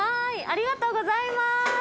ありがとうございます！